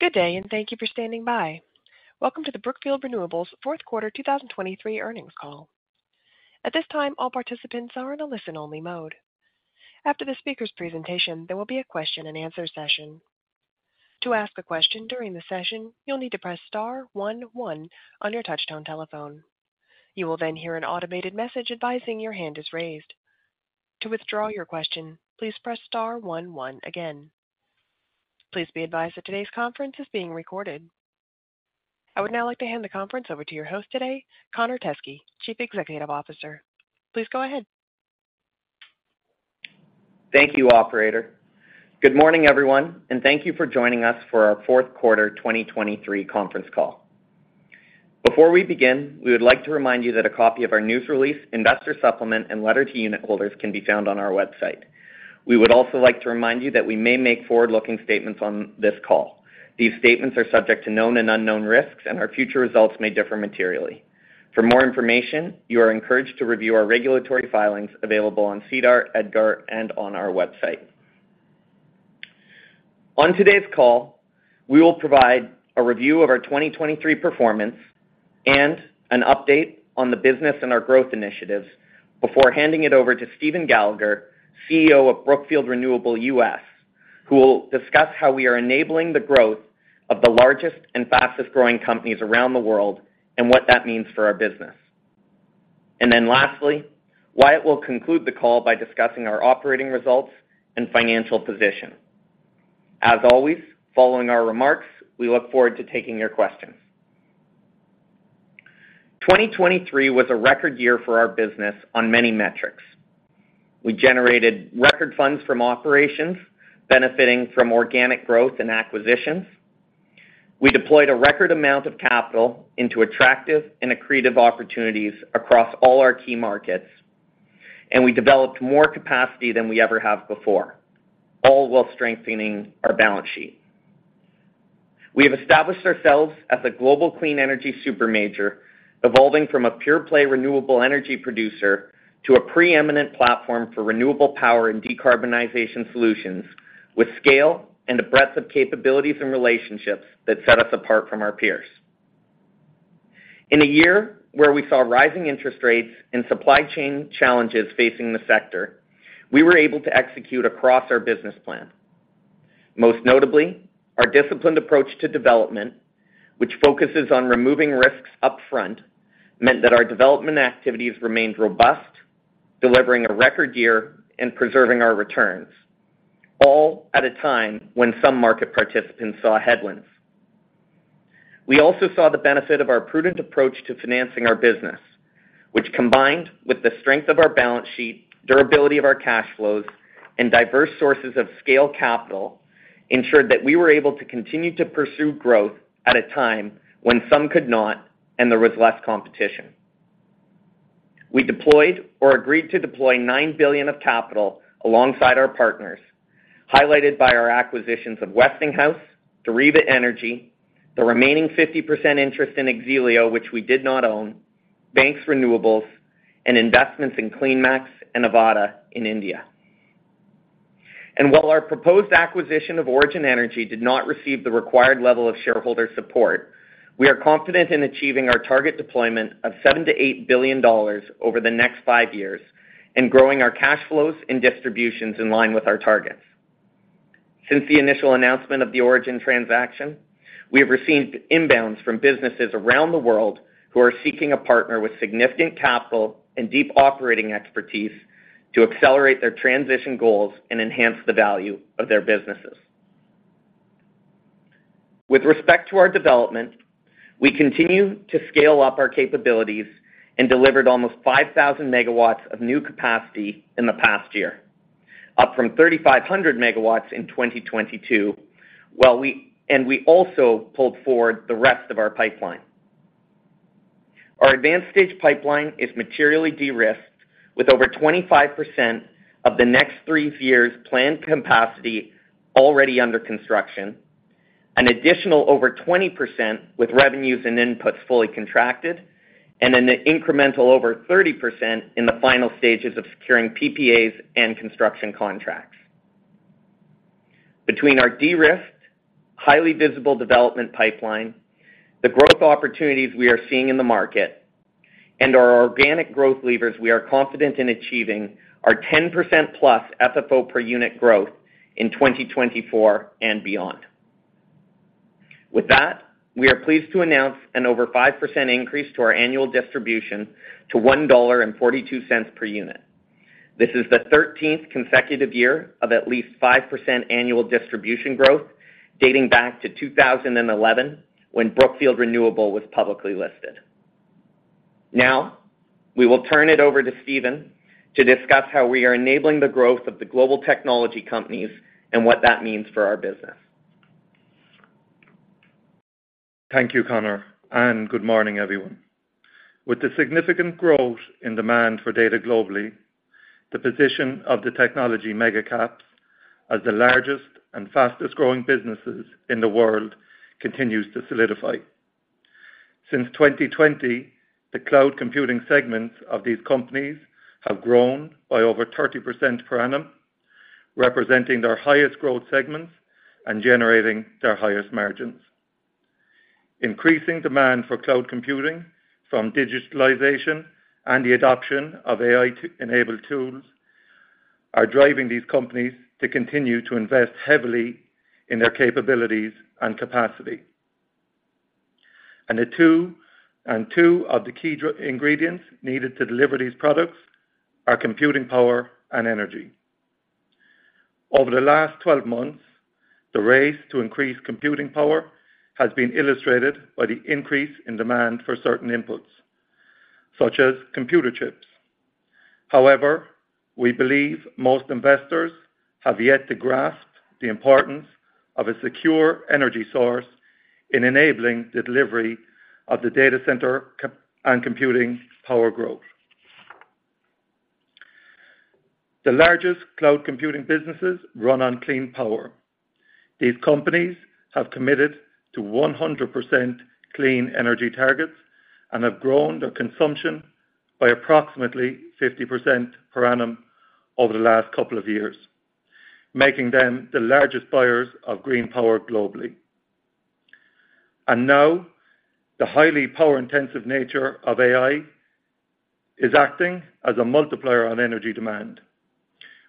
Good day, and thank you for standing by. Welcome to the Brookfield Renewable Fourth Quarter 2023 earnings call. At this time, all participants are in a listen-only mode. After the speaker's presentation, there will be a question-and-answer session. To ask a question during the session, you'll need to press star one one on your touch-tone telephone. You will then hear an automated message advising your hand is raised. To withdraw your question, please press star one one again. Please be advised that today's conference is being recorded. I would now like to hand the conference over to your host today, Connor Teskey, Chief Executive Officer. Please go ahead. Thank you, operator. Good morning, everyone, and thank you for joining us for our fourth quarter 2023 conference call. Before we begin, we would like to remind you that a copy of our news release, investor supplement, and letter to unitholders can be found on our website. We would also like to remind you that we may make forward-looking statements on this call. These statements are subject to known and unknown risks, and our future results may differ materially. For more information, you are encouraged to review our regulatory filings available on SEDAR, EDGAR, and on our website. On today's call, we will provide a review of our 2023 performance and an update on the business and our growth initiatives before handing it over to Stephen Gallagher, CEO of Brookfield Renewable U.S., who will discuss how we are enabling the growth of the largest and fastest-growing companies around the world and what that means for our business. And then lastly, Wyatt will conclude the call by discussing our operating results and financial position. As always, following our remarks, we look forward to taking your questions. 2023 was a record year for our business on many metrics. We generated record funds from operations, benefiting from organic growth and acquisitions. We deployed a record amount of capital into attractive and accretive opportunities across all our key markets, and we developed more capacity than we ever have before, all while strengthening our balance sheet. We have established ourselves as a global clean energy supermajor, evolving from a pure-play renewable energy producer to a preeminent platform for renewable power and decarbonization solutions, with scale and a breadth of capabilities and relationships that set us apart from our peers. In a year where we saw rising interest rates and supply chain challenges facing the sector, we were able to execute across our business plan. Most notably, our disciplined approach to development, which focuses on removing risks upfront, meant that our development activities remained robust, delivering a record year and preserving our returns, all at a time when some market participants saw headwinds. We also saw the benefit of our prudent approach to financing our business, which, combined with the strength of our balance sheet, durability of our cash flows, and diverse sources of scale capital, ensured that we were able to continue to pursue growth at a time when some could not and there was less competition. We deployed or agreed to deploy $9 billion of capital alongside our partners, highlighted by our acquisitions of Westinghouse, Deriva Energy, the remaining 50% interest in X-ELIO, which we did not own, Banks Renewables, and investments in CleanMax and Avaada in India. And while our proposed acquisition of Origin Energy did not receive the required level of shareholder support, we are confident in achieving our target deployment of $7 billion-$8 billion over the next five years and growing our cash flows and distributions in line with our targets. Since the initial announcement of the Origin transaction, we have received inbounds from businesses around the world who are seeking a partner with significant capital and deep operating expertise to accelerate their transition goals and enhance the value of their businesses. With respect to our development, we continue to scale up our capabilities and delivered almost 5,000 MW of new capacity in the past year, up from 3,500 MW in 2022, while we also pulled forward the rest of our pipeline. Our advanced stage pipeline is materially de-risked, with over 25% of the next three years' planned capacity already under construction, an additional over 20% with revenues and inputs fully contracted, and an incremental over 30% in the final stages of securing PPAs and construction contracts. Between our de-risked, highly visible development pipeline, the growth opportunities we are seeing in the market, and our organic growth levers, we are confident in achieving our 10%+ FFO per unit growth in 2024 and beyond. With that, we are pleased to announce an over 5% increase to our annual distribution to $1.42 per unit. This is the 13th consecutive year of at least 5% annual distribution growth, dating back to 2011, when Brookfield Renewable was publicly listed. Now, we will turn it over to Stephen to discuss how we are enabling the growth of the global technology companies and what that means for our business. Thank you, Connor, and good morning, everyone. With the significant growth in demand for data globally, the position of the technology megacaps as the largest and fastest-growing businesses in the world continues to solidify. Since 2020, the cloud computing segments of these companies have grown by over 30% per annum, representing their highest growth segments and generating their highest margins. Increasing demand for cloud computing from digitalization and the adoption of AI-enabled tools are driving these companies to continue to invest heavily in their capabilities and capacity. And two of the key ingredients needed to deliver these products are computing power and energy. Over the last 12 months, the race to increase computing power has been illustrated by the increase in demand for certain inputs, such as computer chips. However, we believe most investors have yet to grasp the importance of a secure energy source in enabling the delivery of the data center CapEx and computing power growth. The largest cloud computing businesses run on clean power. These companies have committed to 100% clean energy targets and have grown their consumption by approximately 50% per annum over the last couple of years, making them the largest buyers of green power globally. And now, the highly power-intensive nature of AI is acting as a multiplier on energy demand,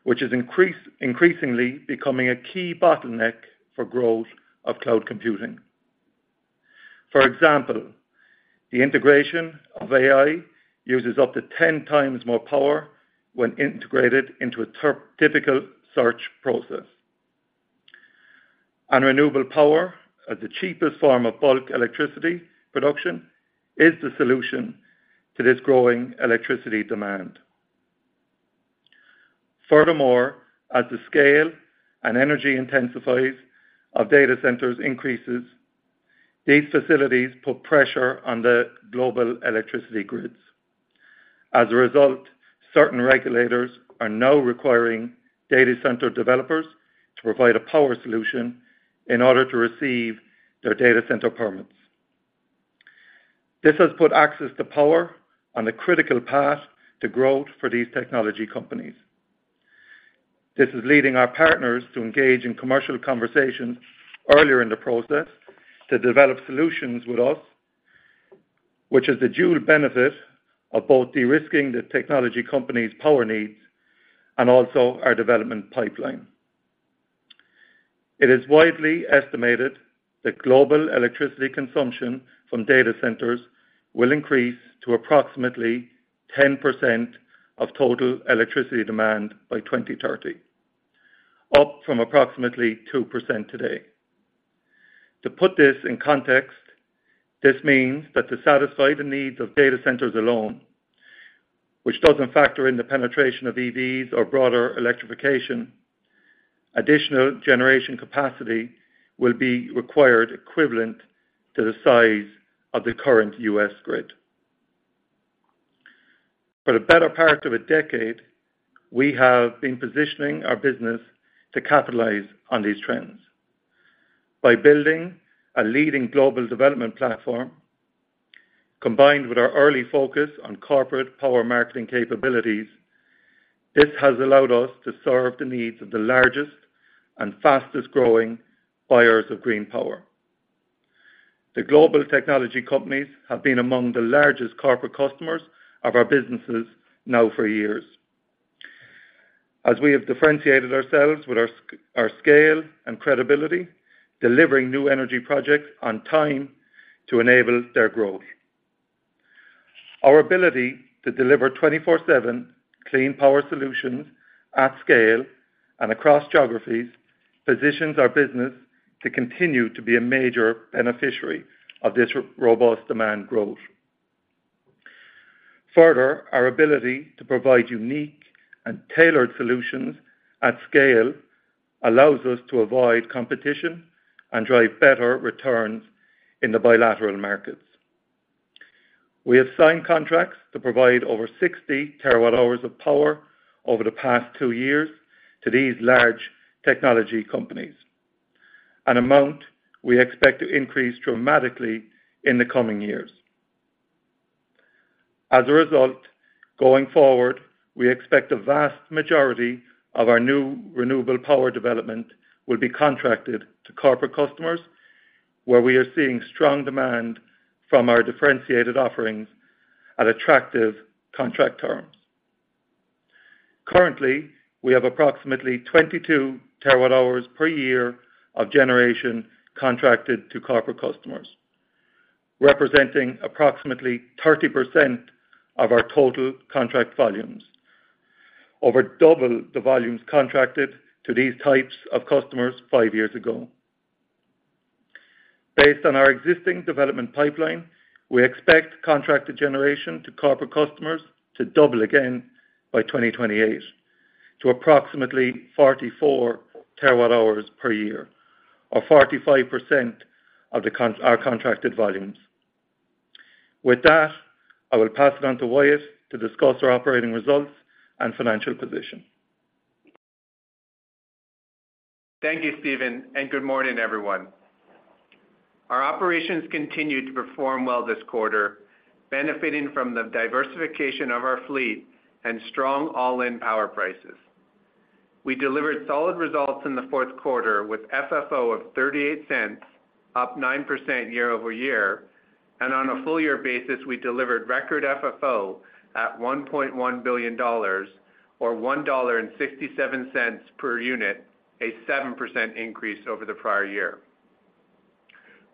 which is increasingly becoming a key bottleneck for growth of cloud computing. For example, the integration of AI uses up to 10x more power when integrated into a typical search process. And renewable power, as the cheapest form of bulk electricity production, is the solution to this growing electricity demand. Furthermore, as the scale and energy intensity of data centers increases, these facilities put pressure on the global electricity grids. As a result, certain regulators are now requiring data center developers to provide a power solution in order to receive their data center permits. This has put access to power on a critical path to growth for these technology companies. This is leading our partners to engage in commercial conversations earlier in the process to develop solutions with us, which is the dual benefit of both de-risking the technology company's power needs and also our development pipeline. It is widely estimated that global electricity consumption from data centers will increase to approximately 10% of total electricity demand by 2030, up from approximately 2% today. To put this in context, this means that to satisfy the needs of data centers alone, which doesn't factor in the penetration of EVs or broader electrification, additional generation capacity will be required equivalent to the size of the current U.S. grid. For the better part of a decade, we have been positioning our business to capitalize on these trends. By building a leading global development platform, combined with our early focus on corporate power marketing capabilities, this has allowed us to serve the needs of the largest and fastest-growing buyers of green power. The global technology companies have been among the largest corporate customers of our businesses now for years, as we have differentiated ourselves with our scale and credibility, delivering new energy projects on time to enable their growth. Our ability to deliver 24/7 clean power solutions at scale and across geographies, positions our business to continue to be a major beneficiary of this robust demand growth. Further, our ability to provide unique and tailored solutions at scale allows us to avoid competition and drive better returns in the bilateral markets. We have signed contracts to provide over 60 TWh of power over the past two years to these large technology companies, an amount we expect to increase dramatically in the coming years. As a result, going forward, we expect a vast majority of our new renewable power development will be contracted to corporate customers, where we are seeing strong demand from our differentiated offerings at attractive contract terms. Currently, we have approximately 22 TWh per year of generation contracted to corporate customers, representing approximately 30% of our total contract volumes, over double the volumes contracted to these types of customers five years ago. Based on our existing development pipeline, we expect contracted generation to corporate customers to double again by 2028 to approximately 44 TWh per year, or 45% of our contracted volumes. With that, I will pass it on to Wyatt to discuss our operating results and financial position. ... Thank you, Stephen, and good morning, everyone. Our operations continued to perform well this quarter, benefiting from the diversification of our fleet and strong all-in power prices. We delivered solid results in the fourth quarter, with FFO of $0.38, up 9% year-over-year, and on a full year basis, we delivered record FFO at $1.1 billion, or $1.67 per unit, a 7% increase over the prior year.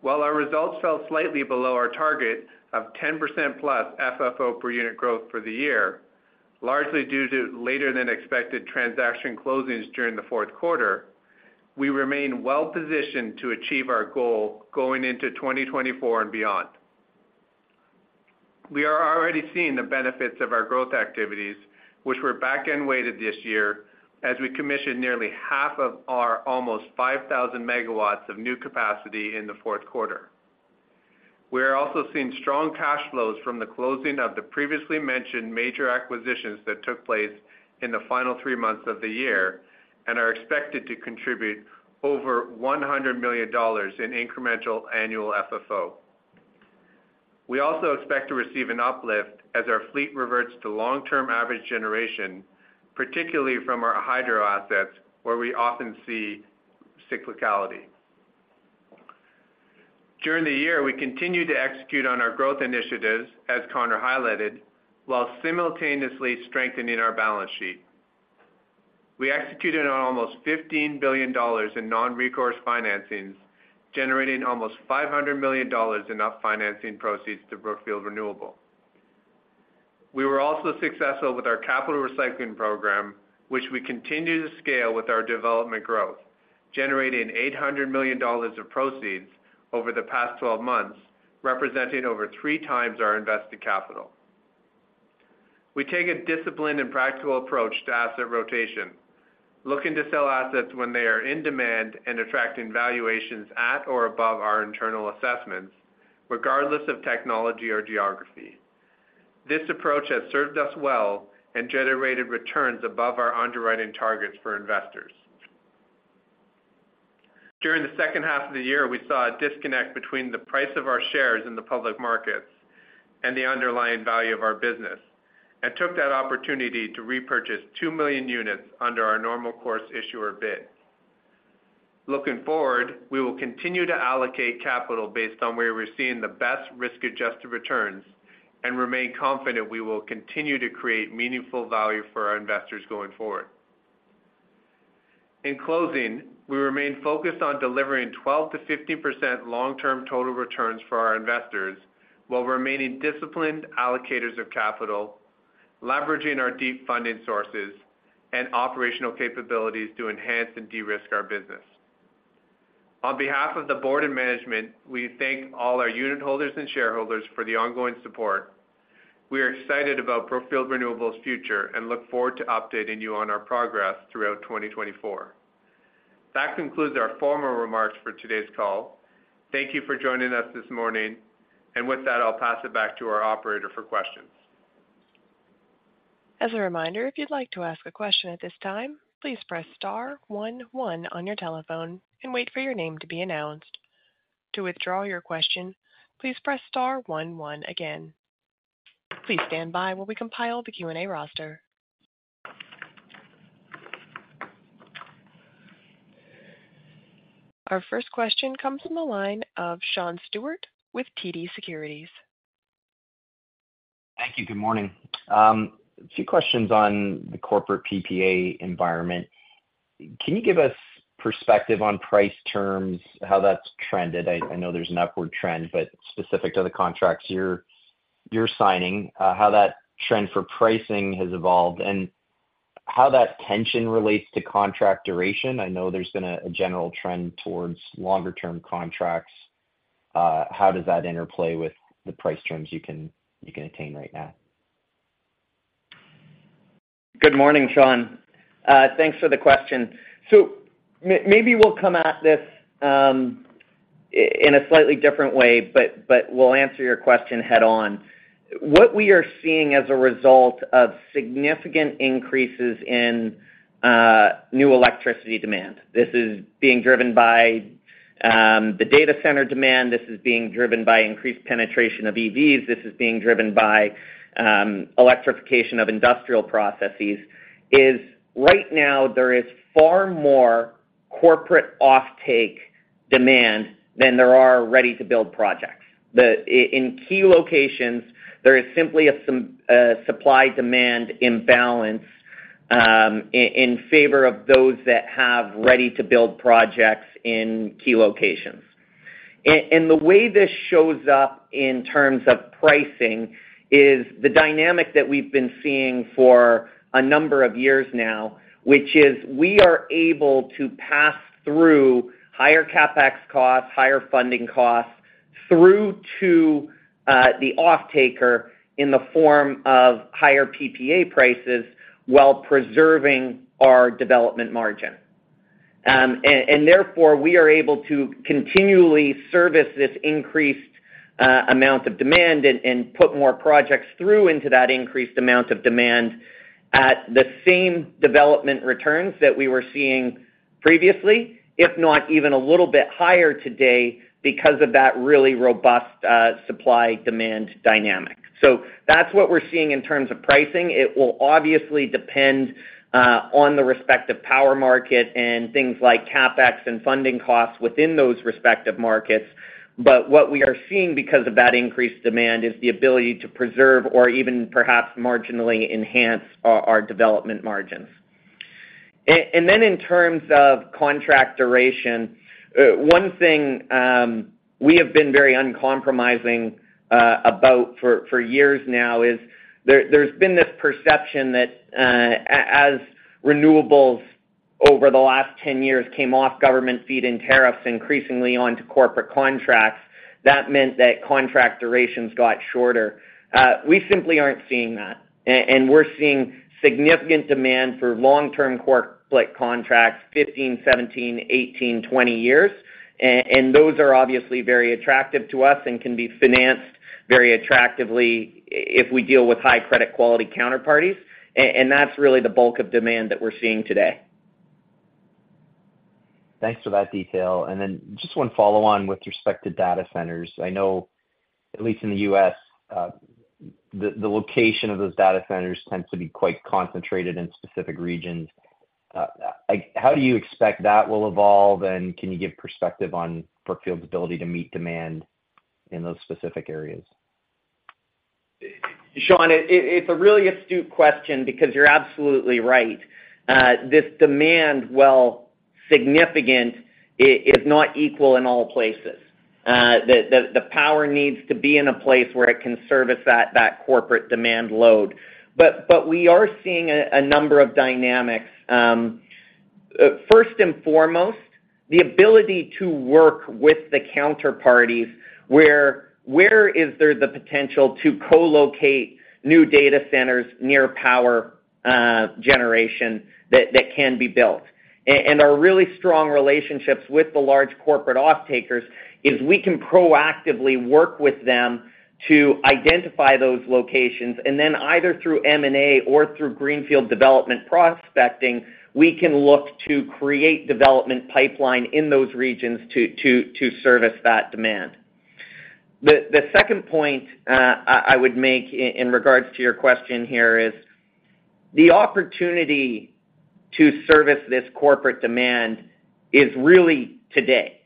While our results fell slightly below our target of 10%+ FFO per unit growth for the year, largely due to later-than-expected transaction closings during the fourth quarter, we remain well-positioned to achieve our goal going into 2024 and beyond. We are already seeing the benefits of our growth activities, which were back-end weighted this year, as we commissioned nearly half of our almost 5,000 MW of new capacity in the fourth quarter. We are also seeing strong cash flows from the closing of the previously mentioned major acquisitions that took place in the final three months of the year, and are expected to contribute over $100 million in incremental annual FFO. We also expect to receive an uplift as our fleet reverts to long-term average generation, particularly from our hydro assets, where we often see cyclicality. During the year, we continued to execute on our growth initiatives, as Connor highlighted, while simultaneously strengthening our balance sheet. We executed on almost $15 billion in non-recourse financings, generating almost $500 million in upfront financing proceeds to Brookfield Renewable. We were also successful with our capital recycling program, which we continue to scale with our development growth, generating $800 million of proceeds over the past 12 months, representing over 3x our invested capital. We take a disciplined and practical approach to asset rotation, looking to sell assets when they are in demand and attracting valuations at or above our internal assessments, regardless of technology or geography. This approach has served us well and generated returns above our underwriting targets for investors. During the second half of the year, we saw a disconnect between the price of our shares in the public markets and the underlying value of our business, and took that opportunity to repurchase 2 million units under our normal course issuer bid. Looking forward, we will continue to allocate capital based on where we're seeing the best risk-adjusted returns and remain confident we will continue to create meaningful value for our investors going forward. In closing, we remain focused on delivering 12%-15% long-term total returns for our investors, while remaining disciplined allocators of capital, leveraging our deep funding sources and operational capabilities to enhance and de-risk our business. On behalf of the Board and management, we thank all our unitholders and shareholders for the ongoing support. We are excited about Brookfield Renewable's future and look forward to updating you on our progress throughout 2024. That concludes our formal remarks for today's call. Thank you for joining us this morning, and with that, I'll pass it back to our operator for questions. As a reminder, if you'd like to ask a question at this time, please press star one one on your telephone and wait for your name to be announced. To withdraw your question, please press star one one again. Please stand by while we compile the Q and A roster. Our first question comes from the line of Sean Steuart with TD Securities. Thank you. Good morning. A few questions on the corporate PPA environment. Can you give us perspective on price terms, how that's trended? I know there's an upward trend, but specific to the contracts you're signing, how that trend for pricing has evolved and how that tension relates to contract duration. I know there's been a general trend towards longer-term contracts. How does that interplay with the price terms you can attain right now? Good morning, Sean. Thanks for the question. So maybe we'll come at this in a slightly different way, but we'll answer your question head-on. What we are seeing as a result of significant increases in new electricity demand, this is being driven by the data center demand, this is being driven by increased penetration of EVs, this is being driven by electrification of industrial processes, is right now there is far more corporate offtake demand than there are ready-to-build projects. The in key locations, there is simply a supply-demand imbalance in favor of those that have ready-to-build projects in key locations. And the way this shows up in terms of pricing is the dynamic that we've been seeing for a number of years now, which is we are able to pass through higher CapEx costs, higher funding costs, through to the offtaker in the form of higher PPA prices, while preserving our development margin. And therefore, we are able to continually service this increased amount of demand and put more projects through into that increased amount of demand at the same development returns that we were seeing-... previously, if not even a little bit higher today, because of that really robust, supply-demand dynamic. So that's what we're seeing in terms of pricing. It will obviously depend, on the respective power market and things like CapEx and funding costs within those respective markets. But what we are seeing because of that increased demand, is the ability to preserve or even perhaps marginally enhance our development margins. And then in terms of contract duration, one thing, we have been very uncompromising, about for years now is that there's been this perception that, as renewables over the last 10 years came off government feed-in tariffs increasingly onto corporate contracts, that meant that contract durations got shorter. We simply aren't seeing that. And we're seeing significant demand for long-term corporate contracts, 15, 17, 18, 20 years. Those are obviously very attractive to us and can be financed very attractively if we deal with high credit quality counterparties, and that's really the bulk of demand that we're seeing today. Thanks for that detail. And then just one follow on with respect to data centers. I know at least in the U.S., the location of those data centers tends to be quite concentrated in specific regions. Like, how do you expect that will evolve? And can you give perspective on Brookfield's ability to meet demand in those specific areas? Sean, it's a really astute question because you're absolutely right. This demand, while significant, is not equal in all places. The power needs to be in a place where it can service that corporate demand load. But we are seeing a number of dynamics. First and foremost, the ability to work with the counterparties, where is there the potential to co-locate new data centers near power generation that can be built? And our really strong relationships with the large corporate off-takers, is we can proactively work with them to identify those locations, and then either through M&A or through greenfield development prospecting, we can look to create development pipeline in those regions to service that demand. The second point I would make in regards to your question here is, the opportunity to service this corporate demand is really today.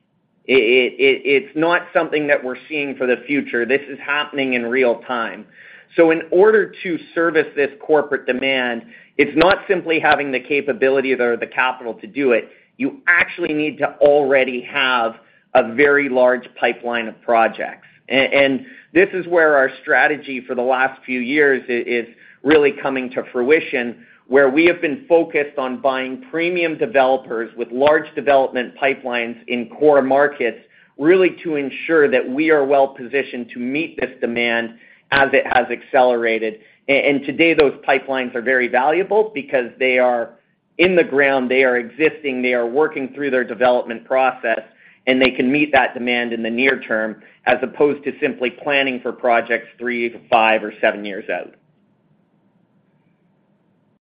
It's not something that we're seeing for the future. This is happening in real time. So in order to service this corporate demand, it's not simply having the capability or the capital to do it, you actually need to already have a very large pipeline of projects. And this is where our strategy for the last few years is really coming to fruition, where we have been focused on buying premium developers with large development pipelines in core markets, really to ensure that we are well-positioned to meet this demand as it has accelerated. And today, those pipelines are very valuable because they are in the ground, they are existing, they are working through their development process, and they can meet that demand in the near term, as opposed to simply planning for projects three-five or seven years out.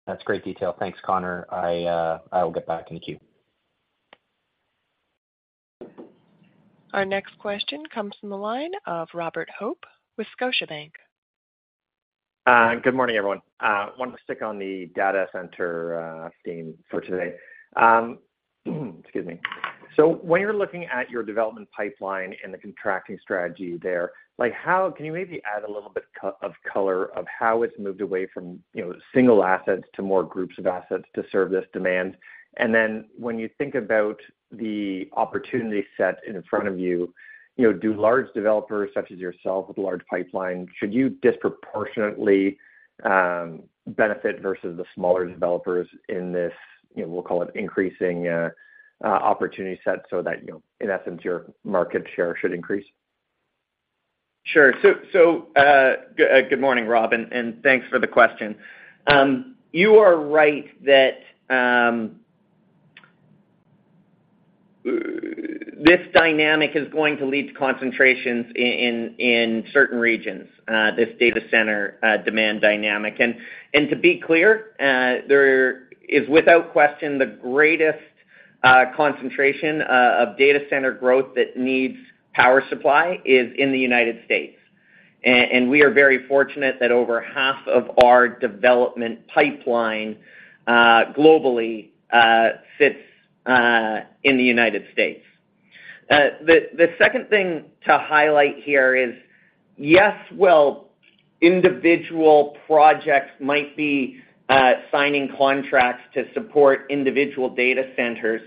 That's great detail. Thanks, Connor. I will get back in the queue. Our next question comes from the line of Robert Hope with Scotiabank. Good morning, everyone. Wanted to stick on the data center theme for today. Excuse me. So when you're looking at your development pipeline and the contracting strategy there, like how can you maybe add a little bit of color of how it's moved away from, you know, single assets to more groups of assets to serve this demand? And then when you think about the opportunity set in front of you, you know, do large developers, such as yourself with a large pipeline, should you disproportionately benefit versus the smaller developers in this, you know, we'll call it increasing opportunity set so that, you know, in essence, your market share should increase? Good morning, Rob, and thanks for the question. You are right that this dynamic is going to lead to concentrations in certain regions, this data center demand dynamic. And to be clear, there is without question the greatest concentration of data center growth that needs power supply is in the United States. And we are very fortunate that over half of our development pipeline globally sits in the United States. The second thing to highlight here is, yes, while individual projects might be signing contracts to support individual data centers,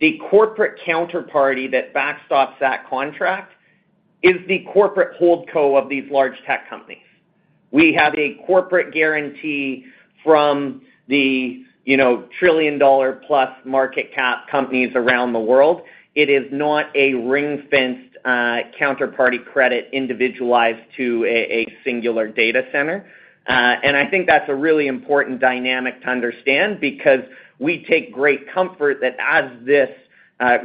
the corporate counterparty that backstops that contract is the corporate holdco of these large tech companies. We have a corporate guarantee from the, you know, trillion-dollar plus market cap companies around the world. It is not a ring-fenced, counterparty credit individualized to a singular data center. And I think that's a really important dynamic to understand, because we take great comfort that as this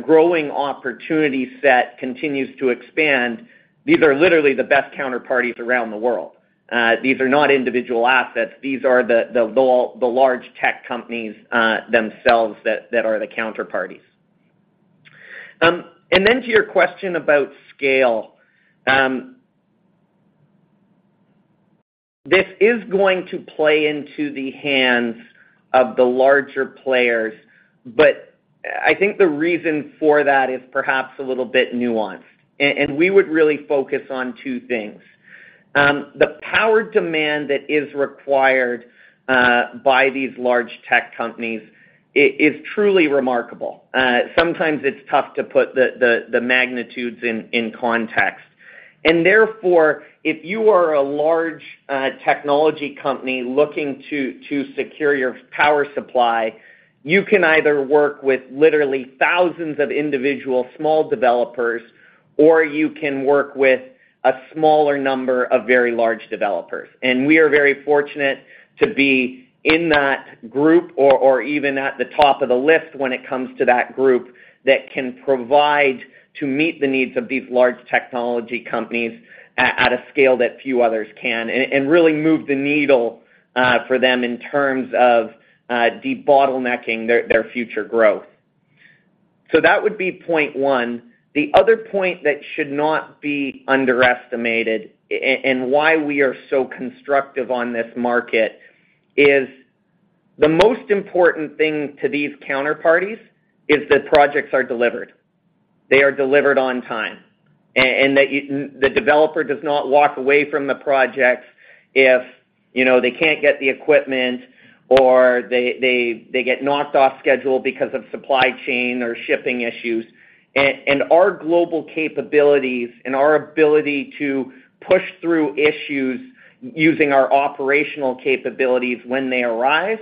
growing opportunity set continues to expand, these are literally the best counterparties around the world. These are not individual assets, these are the large tech companies, themselves that are the counterparties. And then to your question about scale, this is going to play into the hands of the larger players, but, I think the reason for that is perhaps a little bit nuanced, and we would really focus on two things. The power demand that is required by these large tech companies is truly remarkable. Sometimes it's tough to put the magnitudes in context. Therefore, if you are a large technology company looking to secure your power supply, you can either work with literally thousands of individual small developers, or you can work with a smaller number of very large developers. And we are very fortunate to be in that group or even at the top of the list when it comes to that group that can provide to meet the needs of these large technology companies at a scale that few others can, and really move the needle for them in terms of debottlenecking their future growth. So that would be point one. The other point that should not be underestimated and why we are so constructive on this market is, the most important thing to these counterparties is that projects are delivered. They are delivered on time, and that the developer does not walk away from the projects if, you know, they can't get the equipment or they get knocked off schedule because of supply chain or shipping issues. And our global capabilities and our ability to push through issues using our operational capabilities when they arrive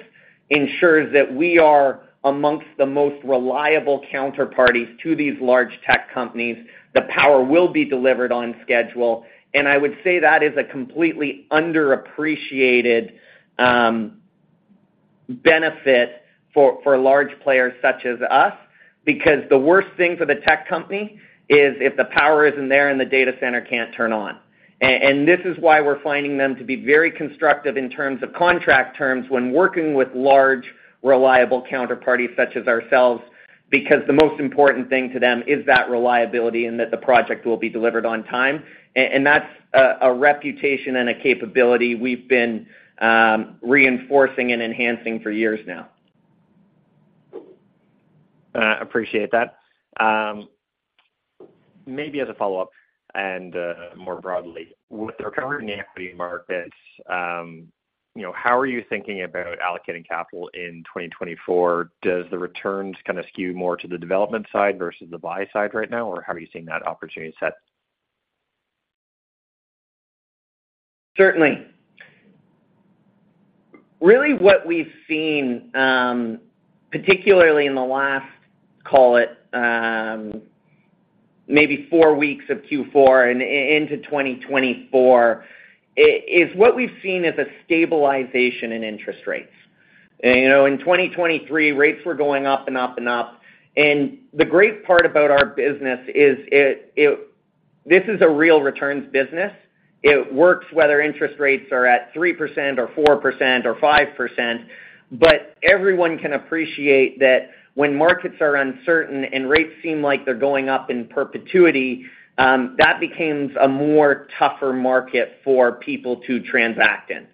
ensures that we are amongst the most reliable counterparties to these large tech companies. The power will be delivered on schedule, and I would say that is a completely underappreciated benefit for large players such as us, because the worst thing for the tech company is if the power isn't there and the data center can't turn on. This is why we're finding them to be very constructive in terms of contract terms when working with large, reliable counterparties such as ourselves, because the most important thing to them is that reliability and that the project will be delivered on time. And that's a reputation and a capability we've been reinforcing and enhancing for years now. Appreciate that. Maybe as a follow-up and, more broadly, with the recovery in the equity markets, you know, how are you thinking about allocating capital in 2024? Does the returns kind of skew more to the development side versus the buy side right now, or how are you seeing that opportunity set? Certainly. Really what we've seen, particularly in the last, call it, maybe four weeks of Q4 and into 2024, is what we've seen is a stabilization in interest rates. And, you know, in 2023, rates were going up and up and up, and the great part about our business is it this is a real returns business. It works whether interest rates are at 3% or 4% or 5%. But everyone can appreciate that when markets are uncertain and rates seem like they're going up in perpetuity, that becomes a tougher market for people to transact in.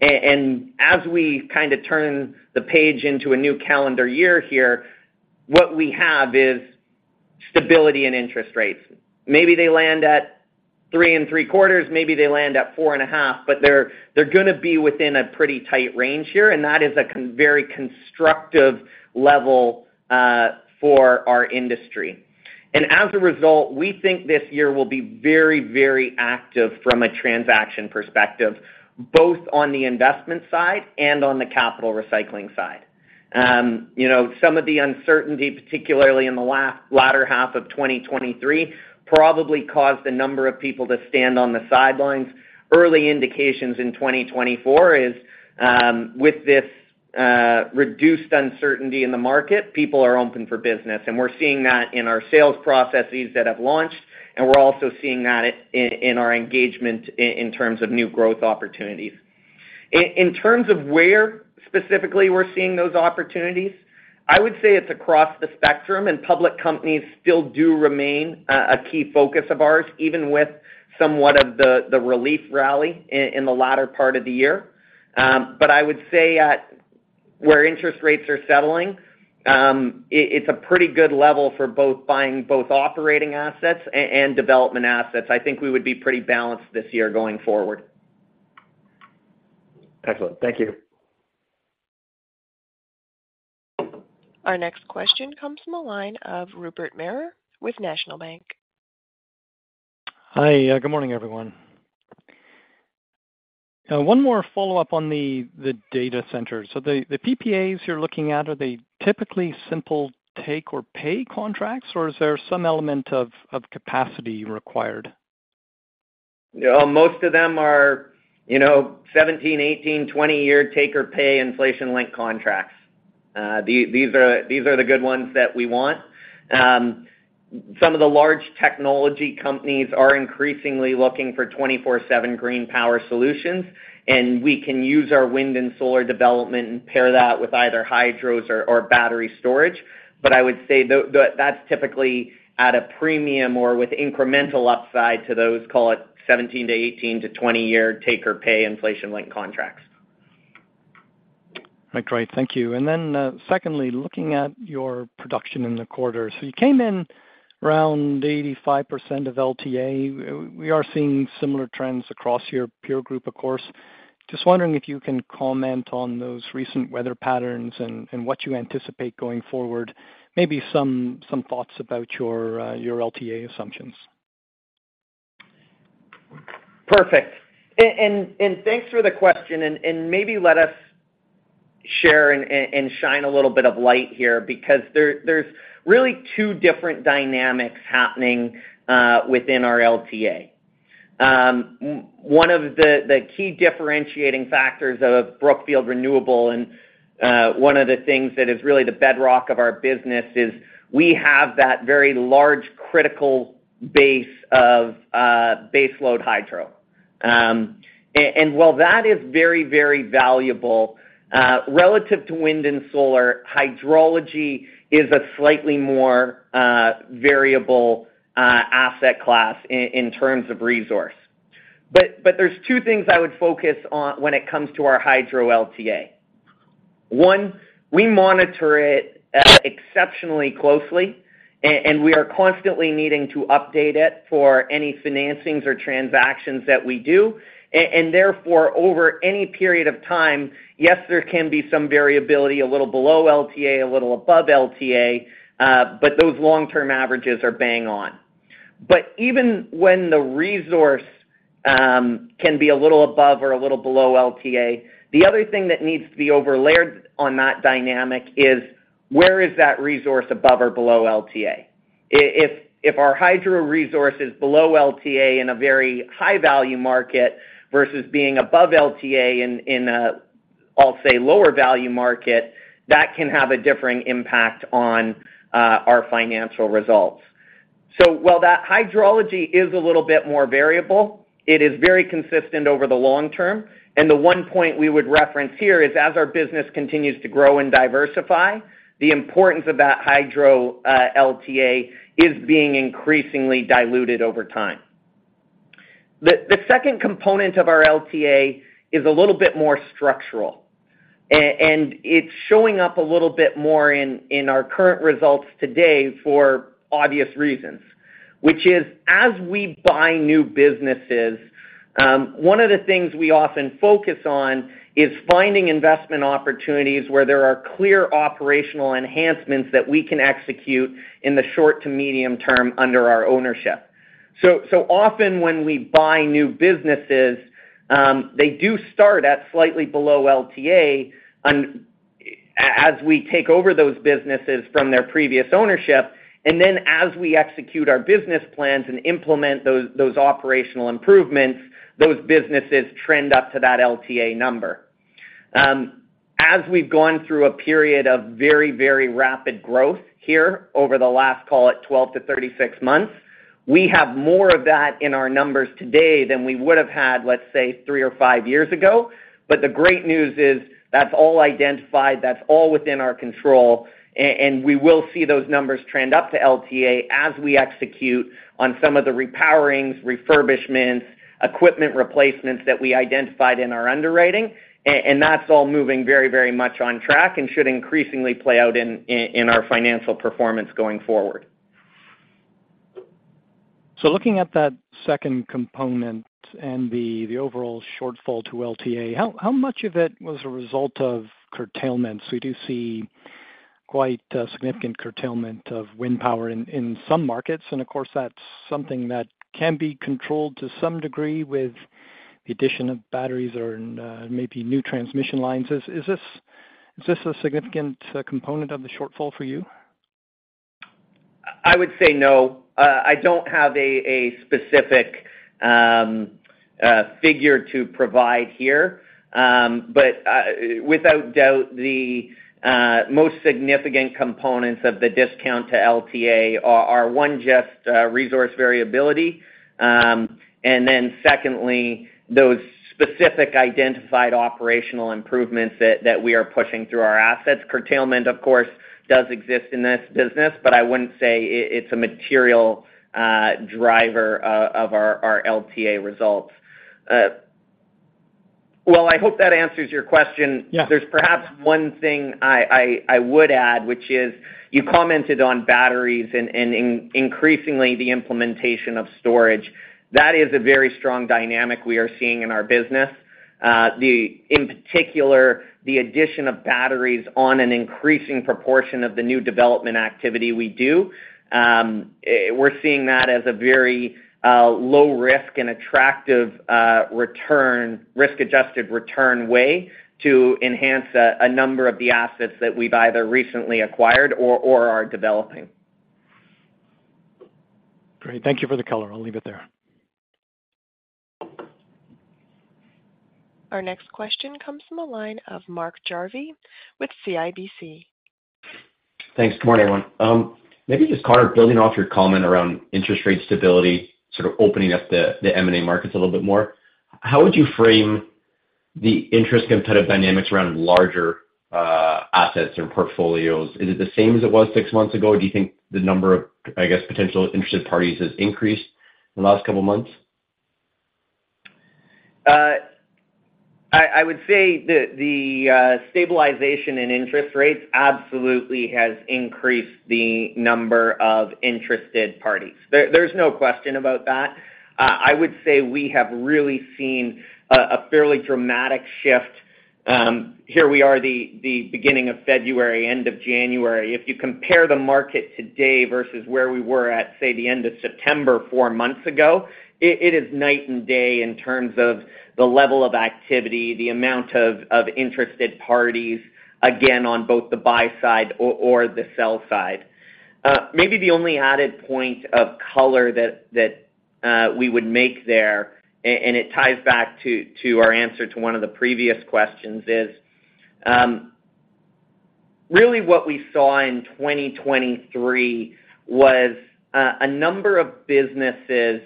And as we kind of turn the page into a new calendar year here, what we have is stability in interest rates. Maybe they land at 3.75%, maybe they land at 4.5%, but they're gonna be within a pretty tight range here, and that is a very constructive level for our industry. And as a result, we think this year will be very, very active from a transaction perspective, both on the investment side and on the capital recycling side. You know, some of the uncertainty, particularly in the latter half of 2023, probably caused a number of people to stand on the sidelines. Early indications in 2024 is, with this reduced uncertainty in the market, people are open for business, and we're seeing that in our sales processes that have launched, and we're also seeing that in our engagement in terms of new growth opportunities. In terms of where specifically we're seeing those opportunities, I would say it's across the spectrum, and public companies still do remain a key focus of ours, even with somewhat of the relief rally in the latter part of the year. But I would say at where interest rates are settling, it's a pretty good level for both buying both operating assets and development assets. I think we would be pretty balanced this year going forward. Excellent. Thank you. Our next question comes from the line of Rupert Merer with National Bank. Hi, good morning, everyone. One more follow-up on the data center. So the PPAs you're looking at, are they typically simple take-or-pay contracts, or is there some element of capacity required?... You know, most of them are, you know, 17, 18, 20-year take-or-pay inflation-linked contracts. These are, these are the good ones that we want. Some of the large technology companies are increasingly looking for 24/7 green power solutions, and we can use our wind and solar development and pair that with either hydros or, or battery storage. But I would say though that's typically at a premium or with incremental upside to those, call it 17 to 18 to 20-year take-or-pay inflation-linked contracts. Right. Great. Thank you. And then, secondly, looking at your production in the quarter. So you came in around 85% of LTA. We are seeing similar trends across your peer group, of course. Just wondering if you can comment on those recent weather patterns and what you anticipate going forward, maybe some thoughts about your LTA assumptions. Perfect. And thanks for the question, and maybe let us share and shine a little bit of light here because there, there's really two different dynamics happening within our LTA. One of the key differentiating factors of Brookfield Renewable and one of the things that is really the bedrock of our business is we have that very large critical base of baseload hydro. And while that is very, very valuable relative to wind and solar, hydrology is a slightly more variable asset class in terms of resource. But there's two things I would focus on when it comes to our hydro LTA. One, we monitor it exceptionally closely, and we are constantly needing to update it for any financings or transactions that we do. And therefore, over any period of time, yes, there can be some variability, a little below LTA, a little above LTA, but those long-term averages are bang on. But even when the resource can be a little above or a little below LTA, the other thing that needs to be overlaid on that dynamic is, where is that resource above or below LTA? If, if our hydro resource is below LTA in a very high-value market versus being above LTA in a, I'll say, lower-value market, that can have a differing impact on our financial results. So while that hydrology is a little bit more variable, it is very consistent over the long term. And the one point we would reference here is, as our business continues to grow and diversify, the importance of that hydro LTA is being increasingly diluted over time. The second component of our LTA is a little bit more structural, and it's showing up a little bit more in our current results today for obvious reasons, which is, as we buy new businesses, one of the things we often focus on is finding investment opportunities where there are clear operational enhancements that we can execute in the short to medium term under our ownership. So often when we buy new businesses, they do start at slightly below LTA as we take over those businesses from their previous ownership, and then as we execute our business plans and implement those operational improvements, those businesses trend up to that LTA number. As we've gone through a period of very, very rapid growth here over the last, call it, 12-36 months, we have more of that in our numbers today than we would have had, let's say, three or five years ago. But the great news is that's all identified, that's all within our control, and we will see those numbers trend up to LTA as we execute on some of the repowerings, refurbishments, equipment replacements that we identified in our underwriting. And that's all moving very, very much on track and should increasingly play out in our financial performance going forward. So looking at that second component and the overall shortfall to LTA, how much of it was a result of curtailments? We do see quite significant curtailment of wind power in some markets, and of course, that's something that can be controlled to some degree with the addition of batteries or maybe new transmission lines. Is this a significant component of the shortfall for you? I would say no. I don't have a specific figure to provide here. But without doubt, the most significant components of the discount to LTA are one, just resource variability. And then secondly, those specific identified operational improvements that we are pushing through our assets. Curtailment, of course, does exist in this business, but I wouldn't say it's a material driver of our LTA results. Well, I hope that answers your question. Yeah. There's perhaps one thing I would add, which is, you commented on batteries and increasingly, the implementation of storage. That is a very strong dynamic we are seeing in our business. In particular, the addition of batteries on an increasing proportion of the new development activity we do. We're seeing that as a very low risk and attractive return, risk-adjusted return way to enhance a number of the assets that we've either recently acquired or are developing. Great. Thank you for the color. I'll leave it there. Our next question comes from the line of Mark Jarvi with CIBC. Thanks. Good morning, everyone. Maybe just, Connor, building off your comment around interest rate stability, sort of opening up the, the M&A markets a little bit more. How would you frame the interest competitive dynamics around larger, assets or portfolios? Is it the same as it was six months ago, or do you think the number of, I guess, potential interested parties has increased in the last couple of months? I would say the stabilization in interest rates absolutely has increased the number of interested parties. There's no question about that. I would say we have really seen a fairly dramatic shift. Here we are, the beginning of February, end of January. If you compare the market today versus where we were at, say, the end of September, four months ago, it is night and day in terms of the level of activity, the amount of interested parties, again, on both the buy side or the sell side. Maybe the only added point of color that we would make there, and it ties back to our answer to one of the previous questions, is really what we saw in 2023 was a number of businesses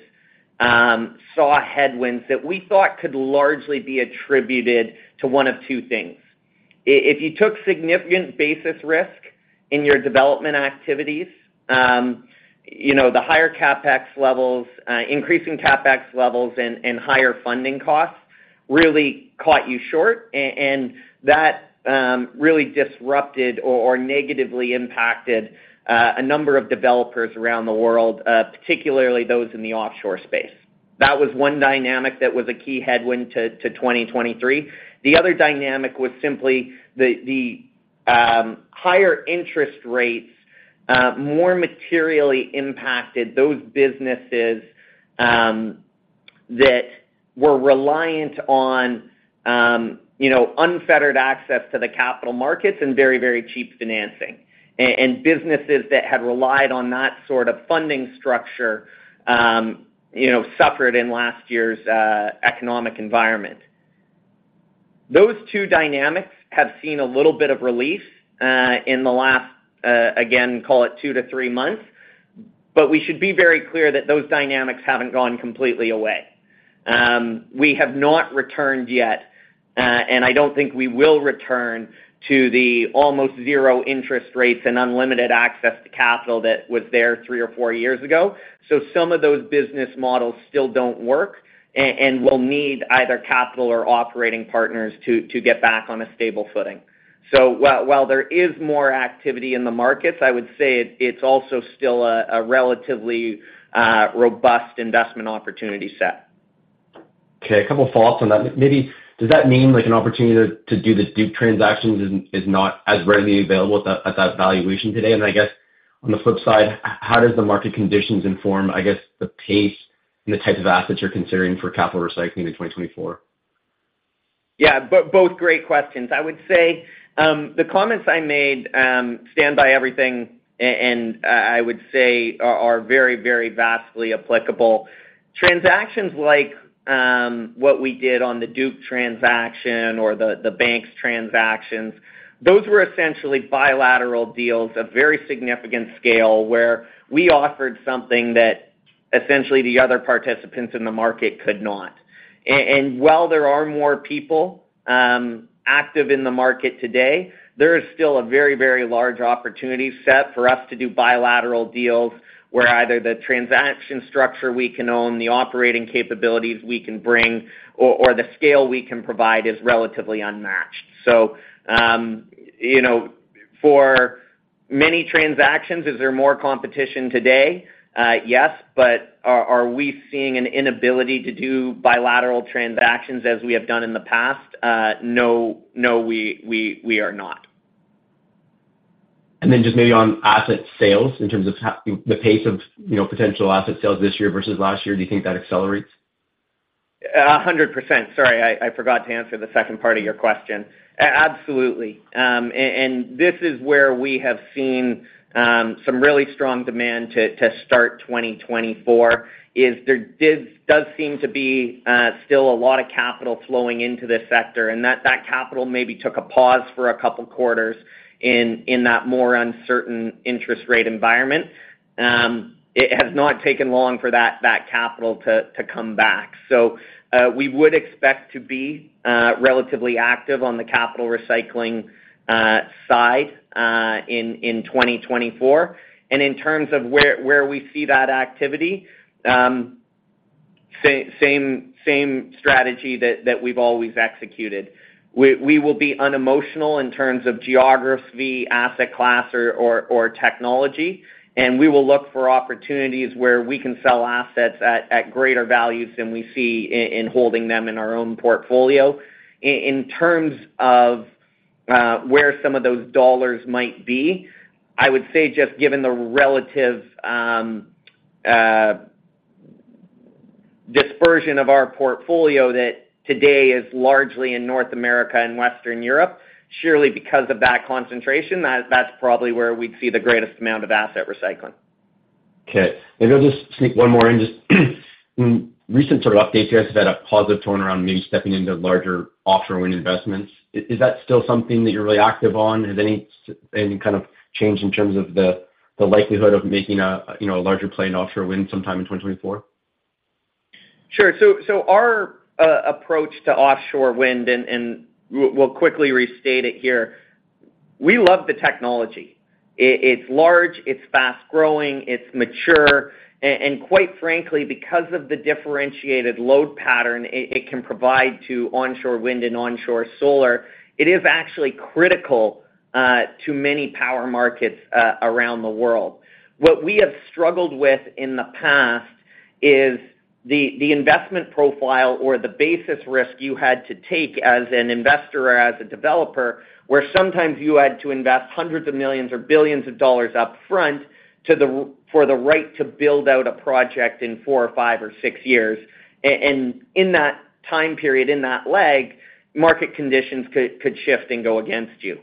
saw headwinds that we thought could largely be attributed to one of two things. If you took significant basis risk in your development activities, you know, the higher CapEx levels, increasing CapEx levels and higher funding costs really caught you short, and that really disrupted or negatively impacted a number of developers around the world, particularly those in the offshore space. That was one dynamic that was a key headwind to 2023. The other dynamic was simply the higher interest rates more materially impacted those businesses that were reliant on you know unfettered access to the capital markets and very very cheap financing. And businesses that had relied on that sort of funding structure you know suffered in last year's economic environment. Those two dynamics have seen a little bit of relief in the last again call it two-three months, but we should be very clear that those dynamics haven't gone completely away. We have not returned yet and I don't think we will return to the almost zero interest rates and unlimited access to capital that was there three or four years ago. So some of those business models still don't work and will need either capital or operating partners to get back on a stable footing. So while there is more activity in the markets, I would say it's also still a relatively robust investment opportunity set. Okay, a couple thoughts on that. Maybe does that mean, like, an opportunity to do the Duke transactions is not as readily available at that valuation today? And I guess on the flip side, how does the market conditions inform, I guess, the pace and the type of assets you're considering for capital recycling in 2024? Yeah, both great questions. I would say, the comments I made, stand by everything, and I would say are very, very vastly applicable. Transactions like what we did on the Duke transaction or the Banks transactions, those were essentially bilateral deals of very significant scale, where we offered something that essentially the other participants in the market could not. And while there are more people active in the market today, there is still a very, very large opportunity set for us to do bilateral deals, where either the transaction structure we can own, the operating capabilities we can bring, or the scale we can provide is relatively unmatched. So, you know, for many transactions, is there more competition today? Yes, but are we seeing an inability to do bilateral transactions as we have done in the past? No, we are not. And then just maybe on asset sales, in terms of the pace of, you know, potential asset sales this year versus last year, do you think that accelerates? 100%. Sorry, I forgot to answer the second part of your question. Absolutely. And this is where we have seen some really strong demand to start 2024, there does seem to be still a lot of capital flowing into this sector, and that capital maybe took a pause for a couple quarters in that more uncertain interest rate environment. It has not taken long for that capital to come back. So, we would expect to be relatively active on the capital recycling side in 2024. And in terms of where we see that activity, same strategy that we've always executed. We will be unemotional in terms of geography, asset class or technology, and we will look for opportunities where we can sell assets at greater values than we see in holding them in our own portfolio. In terms of where some of those dollars might be, I would say, just given the relative dispersion of our portfolio that today is largely in North America and Western Europe, surely because of that concentration, that's probably where we'd see the greatest amount of asset recycling. Okay. Maybe I'll just sneak one more in. Just in recent sort of updates, you guys have had a positive tone around maybe stepping into larger offshore wind investments. Is that still something that you're really active on? Has any kind of change in terms of the likelihood of making a, you know, a larger play in offshore wind sometime in 2024? Sure. So our approach to offshore wind, and we'll quickly restate it here, we love the technology. It's large, it's fast-growing, it's mature, and quite frankly, because of the differentiated load pattern it can provide to onshore wind and onshore solar, it is actually critical to many power markets around the world. What we have struggled with in the past is the investment profile or the basis risk you had to take as an investor or as a developer, where sometimes you had to invest hundreds of millions or billions of dollars upfront for the right to build out a project in four or five or six years. And in that time period, in that lag, market conditions could shift and go against you.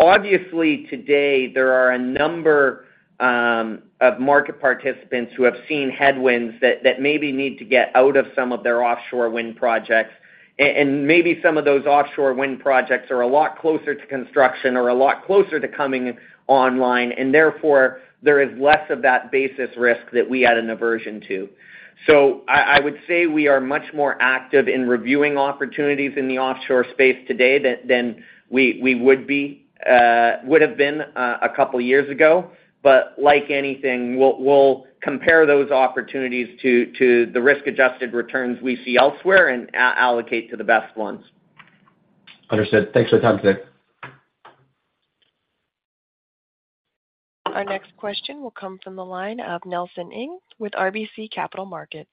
Obviously, today, there are a number of market participants who have seen headwinds that maybe need to get out of some of their offshore wind projects. And maybe some of those offshore wind projects are a lot closer to construction or a lot closer to coming online, and therefore, there is less of that basis risk that we had an aversion to. So I would say we are much more active in reviewing opportunities in the offshore space today than we would have been a couple of years ago. But like anything, we'll compare those opportunities to the risk-adjusted returns we see elsewhere, and allocate to the best ones. Understood. Thanks for your time today. Our next question will come from the line of Nelson Ng with RBC Capital Markets.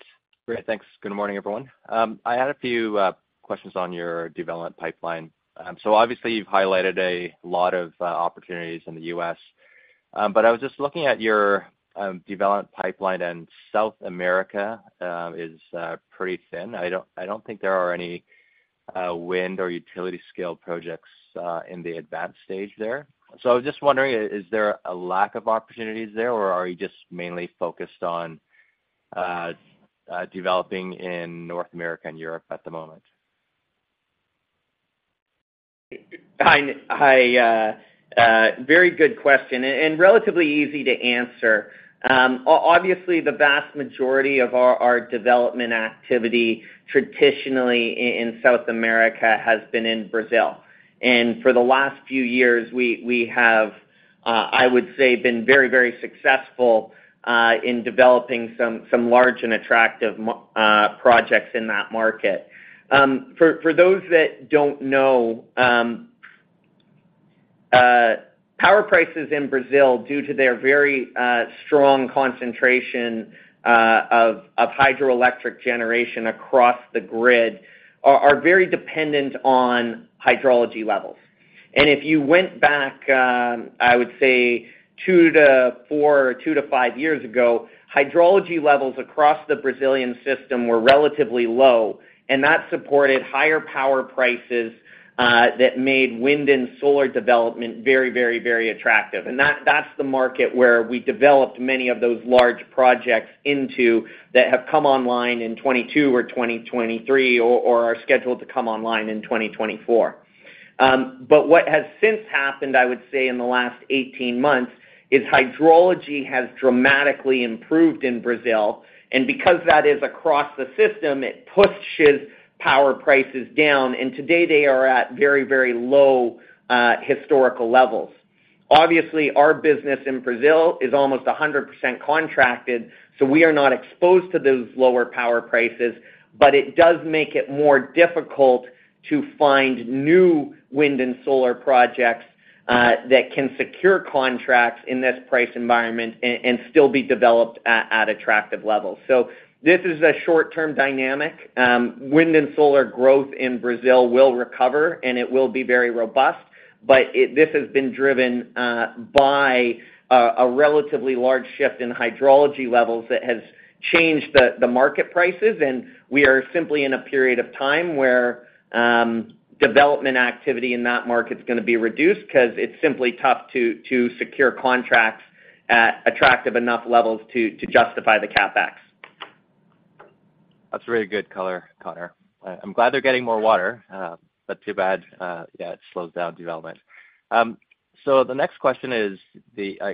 Great. Thanks. Good morning, everyone. I had a few questions on your development pipeline. So obviously, you've highlighted a lot of opportunities in the U.S. But I was just looking at your development pipeline, and South America is pretty thin. I don't think there are any wind or utility scale projects in the advanced stage there. So I was just wondering, is there a lack of opportunities there, or are you just mainly focused on developing in North America and Europe at the moment? I, very good question, and relatively easy to answer. Obviously, the vast majority of our development activity, traditionally in South America, has been in Brazil. And for the last few years, we have, I would say, been very, very successful in developing some large and attractive projects in that market. For those that don't know, power prices in Brazil, due to their very strong concentration of hydroelectric generation across the grid, are very dependent on hydrology levels. And if you went back, I would say two-four or two-five years ago, hydrology levels across the Brazilian system were relatively low, and that supported higher power prices that made wind and solar development very, very, very attractive. And that's the market where we developed many of those large projects into that have come online in 2022 or 2023 or are scheduled to come online in 2024. But what has since happened, I would say, in the last 18 months, is hydrology has dramatically improved in Brazil, and because that is across the system, it pushes power prices down, and today they are at very, very low historical levels. Obviously, our business in Brazil is almost 100% contracted, so we are not exposed to those lower power prices, but it does make it more difficult to find new wind and solar projects that can secure contracts in this price environment and still be developed at attractive levels. So this is a short-term dynamic. Wind and solar growth in Brazil will recover, and it will be very robust, but this has been driven by a relatively large shift in hydrology levels that has changed the market prices, and we are simply in a period of time where development activity in that market is gonna be reduced because it's simply tough to secure contracts at attractive enough levels to justify the CapEx. That's a really good color, Connor. I'm glad they're getting more water, but too bad, yeah, it slows down development. So the next question is,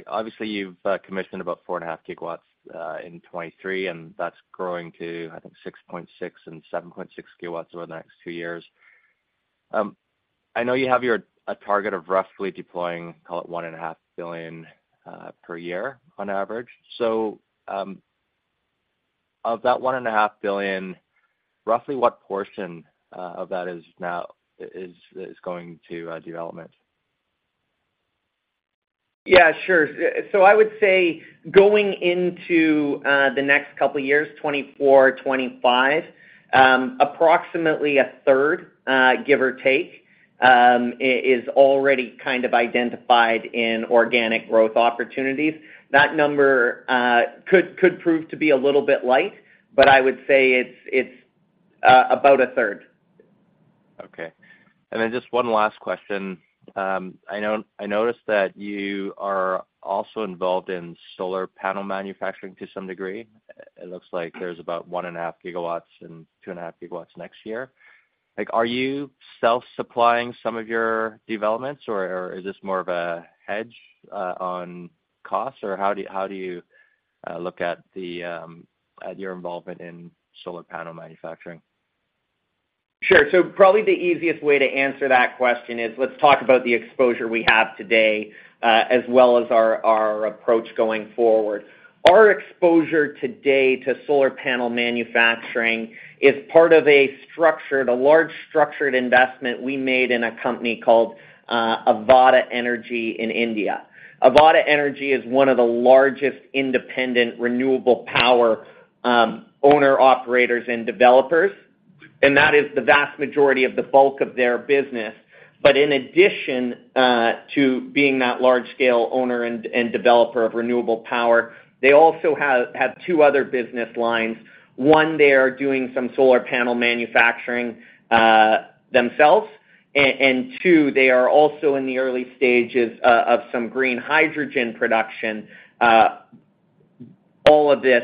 obviously, you've commissioned about 4.5 GW in 2023, and that's growing to, I think, 6.6 GW and 7.6 GW over the next two years. I know you have a target of roughly deploying, call it $1.5 billion per year on average. So, of that $1.5 billion, roughly what portion of that is now, is, is going to development? Yeah, sure. So I would say going into the next couple of years, 2024, 2025, approximately a third, give or take, is already kind of identified in organic growth opportunities. That number could prove to be a little bit light, but I would say it's about a third. Okay. And then just one last question. I noticed that you are also involved in solar panel manufacturing to some degree. It looks like there's about 1.5 GW and 2.5 GW next year. Like, are you self-supplying some of your developments, or, or is this more of a hedge on costs? Or how do you look at your involvement in solar panel manufacturing? Sure. So probably the easiest way to answer that question is let's talk about the exposure we have today, as well as our approach going forward. Our exposure today to solar panel manufacturing is part of a structured, a large structured investment we made in a company called Avaada Energy in India. Avaada Energy is one of the largest independent renewable power owner-operators, and developers, and that is the vast majority of the bulk of their business. But in addition to being that large-scale owner and developer of renewable power, they also have two other business lines. One, they are doing some solar panel manufacturing themselves. And two, they are also in the early stages of some green hydrogen production, all of this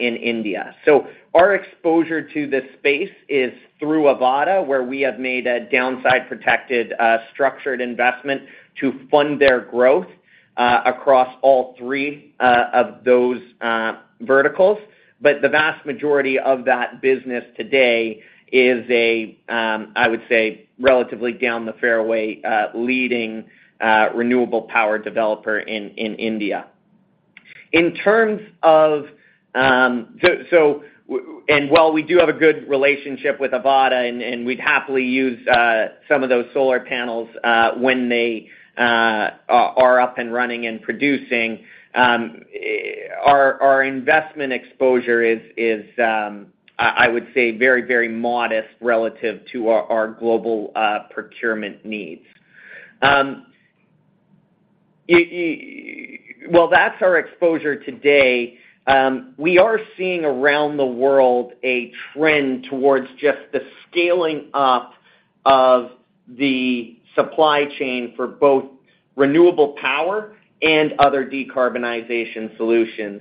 in India. So our exposure to this space is through Avaada, where we have made a downside protected, structured investment to fund their growth, across all three of those verticals. But the vast majority of that business today is a, I would say, relatively down the fairway, leading, renewable power developer in, in India. In terms of... So, so, and while we do have a good relationship with Avaada, and, and we'd happily use, some of those solar panels, when they, are, are up and running and producing, our, our investment exposure is, is, I would say, very, very modest relative to our, our global, procurement needs. While that's our exposure today, we are seeing around the world a trend towards just the scaling up of the supply chain for both renewable power and other decarbonization solutions.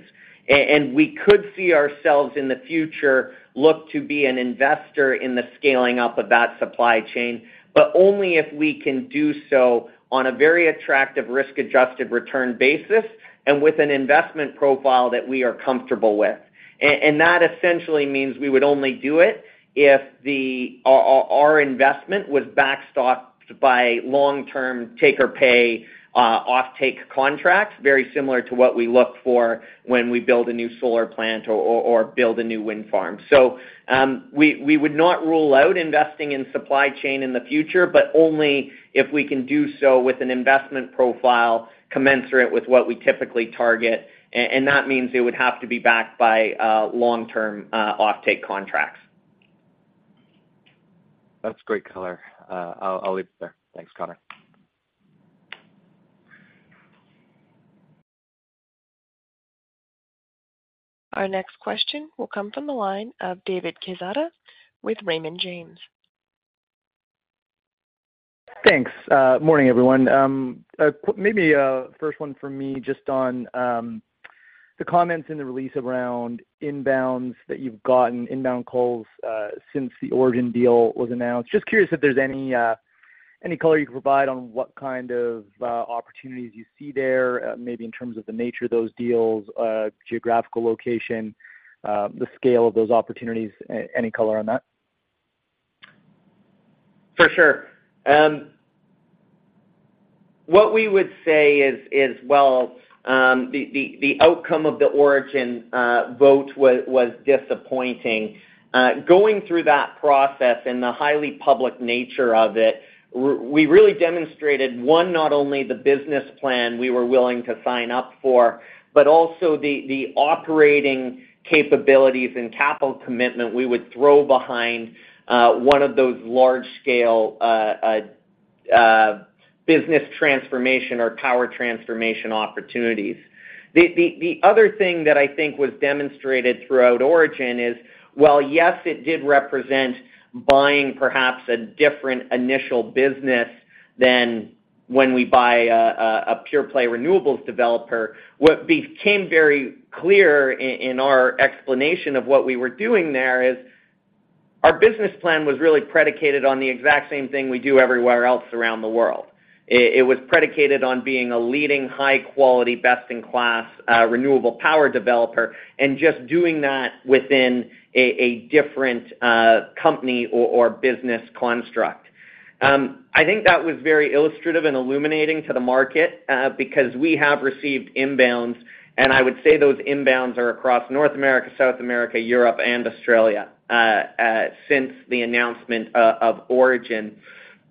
And we could see ourselves, in the future, look to be an investor in the scaling up of that supply chain, but only if we can do so on a very attractive risk-adjusted return basis and with an investment profile that we are comfortable with. And that essentially means we would only do it if our investment was backstopped by long-term take-or-pay offtake contracts, very similar to what we look for when we build a new solar plant or build a new wind farm. So, we would not rule out investing in supply chain in the future, but only if we can do so with an investment profile commensurate with what we typically target. And that means it would have to be backed by long-term offtake contracts. That's great color. I'll, I'll leave it there. Thanks, Connor. Our next question will come from the line of David Quezada with Raymond James. Thanks. Morning, everyone. Maybe first one for me, just on the comments in the release around inbounds that you've gotten, inbound calls, since the Origin deal was announced. Just curious if there's any, any color you can provide on what kind of opportunities you see there, maybe in terms of the nature of those deals, geographical location, the scale of those opportunities. Any color on that? For sure. What we would say is while the outcome of the Origin vote was disappointing, going through that process and the highly public nature of it, we really demonstrated, one, not only the business plan we were willing to sign up for, but also the operating capabilities and capital commitment we would throw behind one of those large-scale business transformation or power transformation opportunities. The other thing that I think was demonstrated throughout Origin is, while, yes, it did represent buying perhaps a different initial business than when we buy a pure play renewables developer, what became very clear in our explanation of what we were doing there is our business plan was really predicated on the exact same thing we do everywhere else around the world. It was predicated on being a leading, high-quality, best-in-class renewable power developer and just doing that within a different company or business construct. I think that was very illustrative and illuminating to the market because we have received inbounds, and I would say those inbounds are across North America, South America, Europe, and Australia since the announcement of Origin.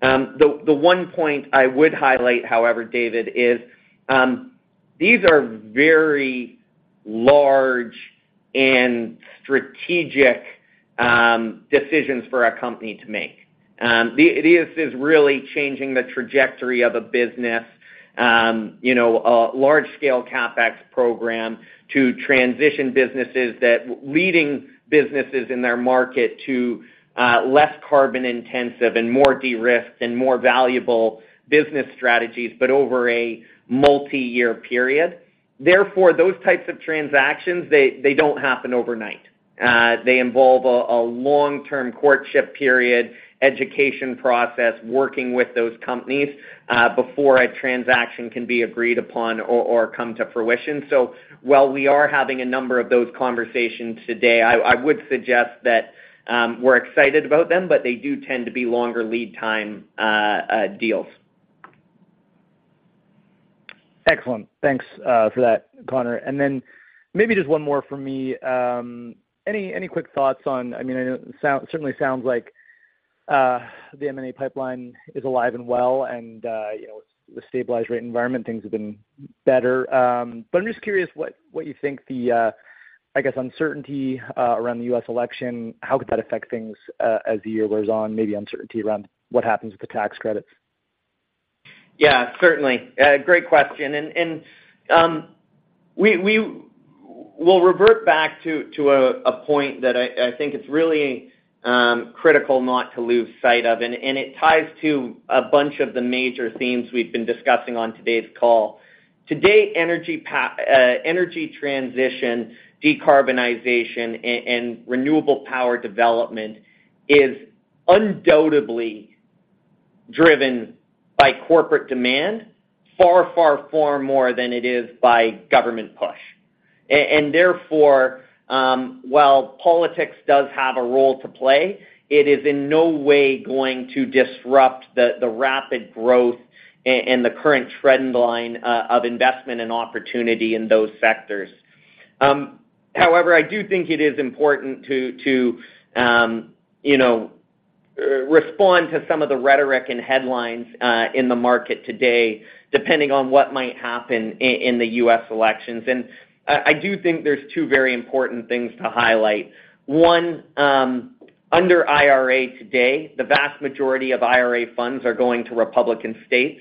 The one point I would highlight, however, David, is these are very large and strategic decisions for our company to make. It is really changing the trajectory of a business, you know, a large-scale CapEx program to transition businesses that leading businesses in their market to less carbon intensive and more de-risked and more valuable business strategies, but over a multi-year period. Therefore, those types of transactions, they don't happen overnight. They involve a long-term courtship period, education process, working with those companies, before a transaction can be agreed upon or come to fruition. So while we are having a number of those conversations today, I would suggest that, we're excited about them, but they do tend to be longer lead time deals. Excellent. Thanks for that, Connor. And then maybe just one more from me. Any quick thoughts on—I mean, I know it certainly sounds like the M&A pipeline is alive and well, and you know, the stabilized rate environment, things have been better. But I'm just curious what you think the, I guess, uncertainty around the U.S. election, how could that affect things as the year goes on, maybe uncertainty around what happens with the tax credits? Yeah, certainly. Great question. We'll revert back to a point that I think it's really critical not to lose sight of, and it ties to a bunch of the major themes we've been discussing on today's call. To date, energy transition, decarbonization, and renewable power development is undoubtedly driven by corporate demand, far, far, far more than it is by government push. And therefore, while politics does have a role to play, it is in no way going to disrupt the rapid growth and the current trend line of investment and opportunity in those sectors. However, I do think it is important to you know respond to some of the rhetoric and headlines in the market today, depending on what might happen in the U.S. elections. And I do think there's two very important things to highlight. One, under IRA today, the vast majority of IRA funds are going to Republican states.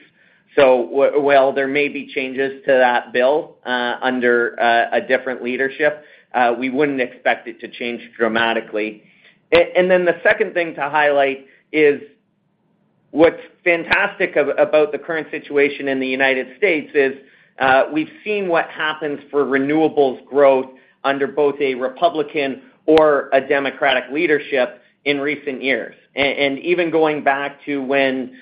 So well, there may be changes to that bill under a different leadership. We wouldn't expect it to change dramatically. And then the second thing to highlight is, what's fantastic about the current situation in the United States is, we've seen what happens for renewables growth under both a Republican or a Democratic leadership in recent years. Even going back to when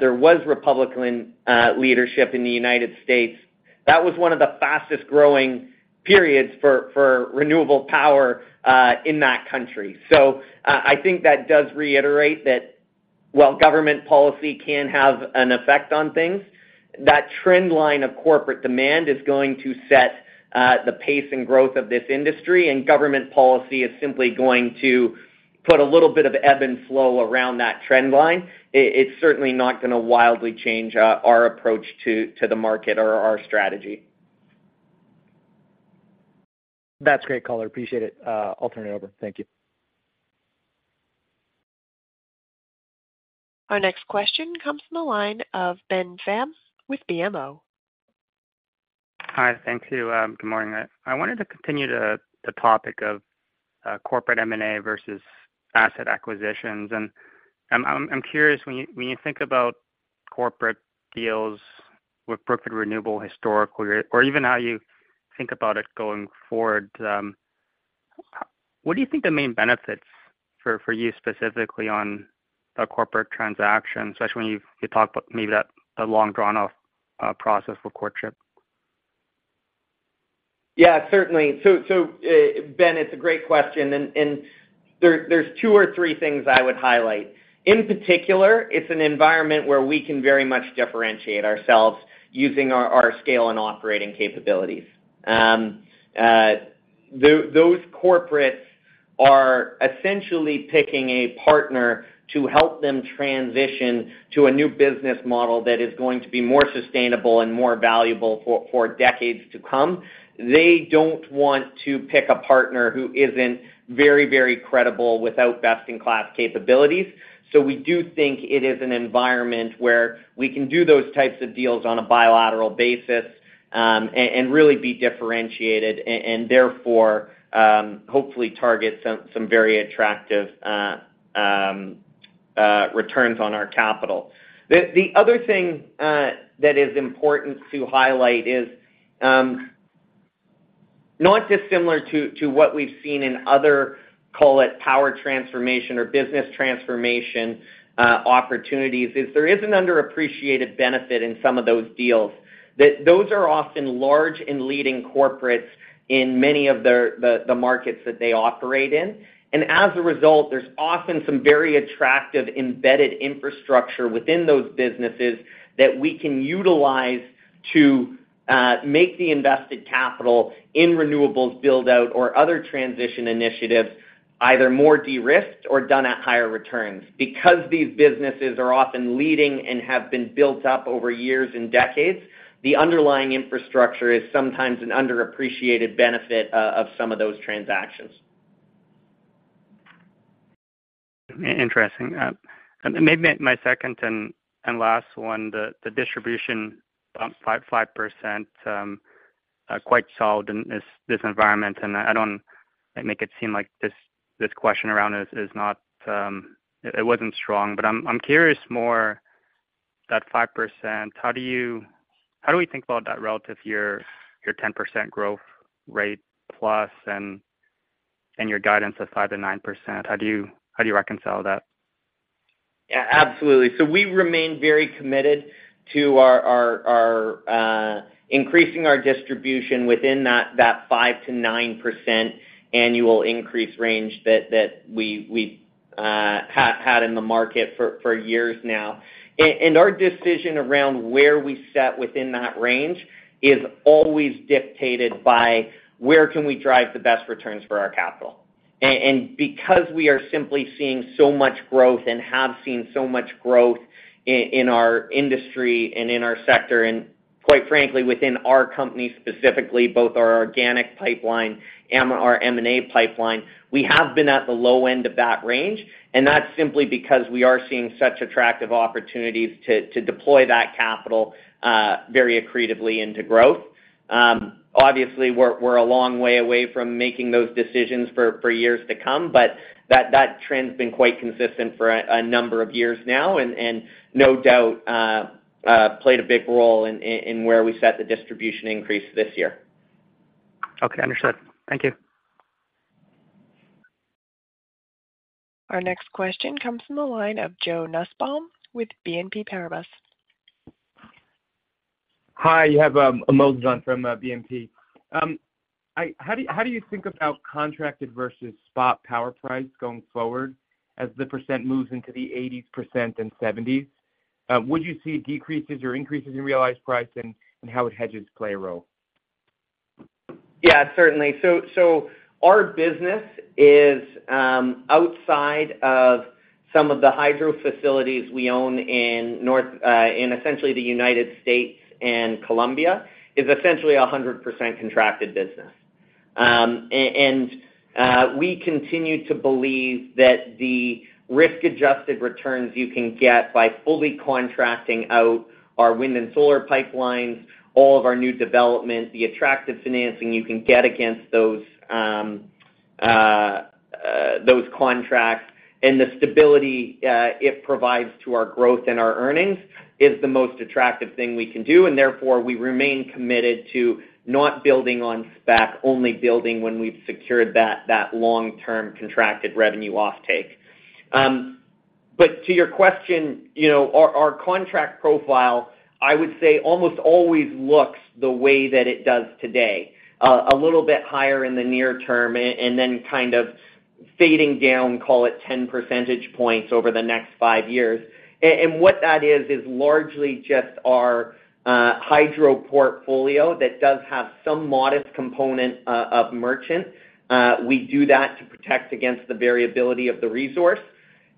there was Republican leadership in the United States, that was one of the fastest-growing periods for renewable power in that country. So, I think that does reiterate that while government policy can have an effect on things, that trend line of corporate demand is going to set the pace and growth of this industry, and government policy is simply going to put a little bit of ebb and flow around that trend line. It's certainly not gonna wildly change our approach to the market or our strategy. That's great, Connor. Appreciate it. I'll turn it over. Thank you. Our next question comes from the line of Ben Pham with BMO. Hi, thank you. Good morning. I wanted to continue the, the topic of corporate M&A versus asset acquisitions. And I'm, I'm curious, when you, when you think about corporate deals with corporate renewable historically, or even how you think about it going forward, what do you think the main benefits for, for you, specifically on a corporate transaction, especially when you, you talk about maybe that, the long drawn-off process for courtship? Yeah, certainly. So, Ben, it's a great question, and there, there's two or three things I would highlight. In particular, it's an environment where we can very much differentiate ourselves using our scale and operating capabilities. Those corporates are essentially picking a partner to help them transition to a new business model that is going to be more sustainable and more valuable for decades to come. They don't want to pick a partner who isn't very, very credible without best-in-class capabilities. So we do think it is an environment where we can do those types of deals on a bilateral basis, and really be differentiated and therefore hopefully target some very attractive returns on our capital. The other thing that is important to highlight is not dissimilar to what we've seen in other, call it power transformation or business transformation, opportunities, is there is an underappreciated benefit in some of those deals. That those are often large and leading corporates in many of their markets that they operate in, and as a result, there's often some very attractive embedded infrastructure within those businesses that we can utilize to make the invested capital in renewables build out or other transition initiatives either more de-risked or done at higher returns. Because these businesses are often leading and have been built up over years and decades, the underlying infrastructure is sometimes an underappreciated benefit of some of those transactions. Interesting. And maybe my second and last one, the distribution up 5%, are quite solid in this environment, and I don't make it seem like this question around is not, it wasn't strong, but I'm curious more that 5%, how do we think about that relative to your 10% growth rate plus, and your guidance of 5%-9%? How do you reconcile that? Yeah, absolutely. So we remain very committed to our increasing our distribution within that 5%-9% annual increase range that we have had in the market for years now. And our decision around where we set within that range is always dictated by where can we drive the best returns for our capital. And because we are simply seeing so much growth and have seen so much growth in our industry and in our sector, and quite frankly, within our company, specifically, both our organic pipeline and our M&A pipeline, we have been at the low end of that range, and that's simply because we are seeing such attractive opportunities to deploy that capital very accretively into growth. Obviously, we're a long way away from making those decisions for years to come, but that trend's been quite consistent for a number of years now, and no doubt played a big role in where we set the distribution increase this year. Okay, understood. Thank you. Our next question comes from the line of Joe Nussbaum with BNP Paribas. Hi, you have Moses on from BNP. How do you, how do you think about contracted versus spot power price going forward, as the percent moves into the 80%s and 70%s? Would you see decreases or increases in realized price and, and how hedges play a role? Yeah, certainly. So, our business is, outside of some of the hydro facilities we own in North, in essentially the United States and Colombia, is essentially a 100% contracted business. And we continue to believe that the risk-adjusted returns you can get by fully contracting out our wind and solar pipelines, all of our new development, the attractive financing you can get against those, those contracts, and the stability it provides to our growth and our earnings, is the most attractive thing we can do, and therefore, we remain committed to not building on spec, only building when we've secured that, that long-term contracted revenue offtake. But to your question, you know, our, our contract profile, I would say, almost always looks the way that it does today. A little bit higher in the near term, and then kind of fading down, call it 10 percentage points over the next five years. And what that is, is largely just our hydro portfolio that does have some modest component of merchant. We do that to protect against the variability of the resource.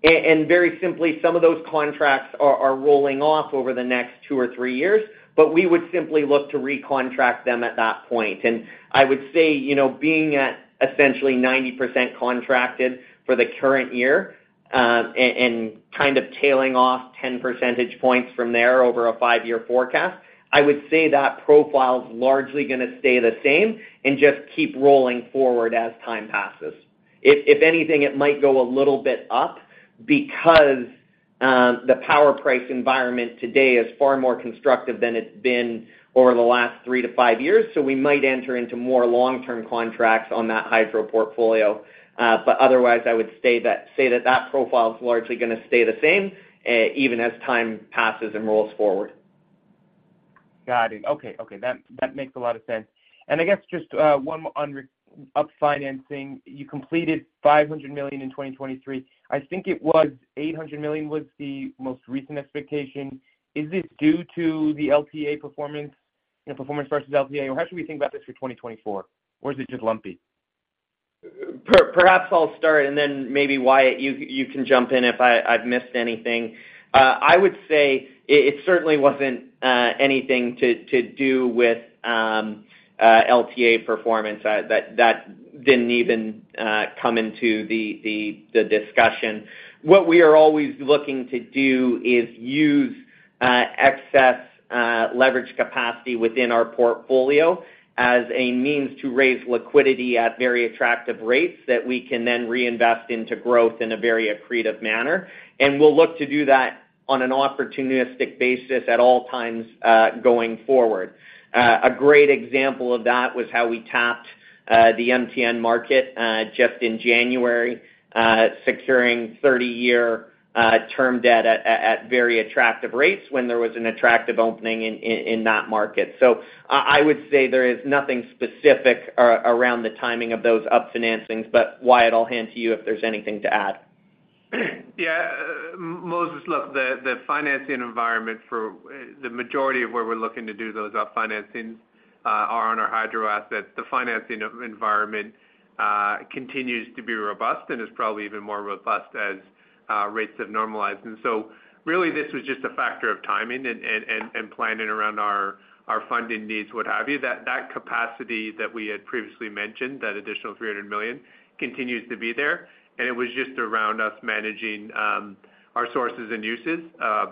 And very simply, some of those contracts are rolling off over the next two or three years, but we would simply look to recontract them at that point. And I would say, you know, being at essentially 90% contracted for the current year, and kind of tailing off 10 percentage points from there over a five-year forecast, I would say that profile is largely gonna stay the same and just keep rolling forward as time passes. If anything, it might go a little bit up because the power price environment today is far more constructive than it's been over the last three to five years, so we might enter into more long-term contracts on that hydro portfolio. But otherwise, I would say that that profile is largely gonna stay the same, even as time passes and rolls forward. Got it. Okay, okay. That makes a lot of sense. I guess just one more on refinancing. You completed $500 million in 2023. I think it was $800 million was the most recent expectation. Is this due to the LTA performance, you know, performance versus LTA, or how should we think about this for 2024? Or is it just lumpy? Perhaps I'll start, and then maybe, Wyatt, you can jump in if I've missed anything. I would say it certainly wasn't anything to do with LTA performance. That didn't even come into the discussion. What we are always looking to do is use excess leverage capacity within our portfolio as a means to raise liquidity at very attractive rates that we can then reinvest into growth in a very accretive manner. And we'll look to do that on an opportunistic basis at all times, going forward. A great example of that was how we tapped the MTN market just in January, securing 30-year term debt at very attractive rates when there was an attractive opening in that market. So, I would say there is nothing specific around the timing of those upcoming financings, but Wyatt, I'll hand it to you if there's anything to add. Yeah, Moses, look, the financing environment for the majority of where we're looking to do those up financings are on our hydro assets. The financing environment continues to be robust and is probably even more robust as rates have normalized. And so really, this was just a factor of timing and planning around our funding needs, what have you. That capacity that we had previously mentioned, that additional $300 million, continues to be there, and it was just around us managing our sources and uses